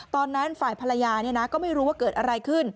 ฝ่ายภรรยาก็ไม่รู้ว่าเกิดอะไรขึ้น